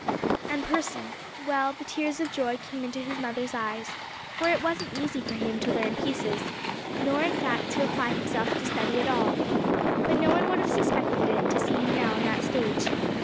And Percy well, the tears of joy came into his mother's eyes, for it wasn't easy for him to learn pieces, nor in fact to apply himself to study at all. But no one would have suspected it to see him now on that stage.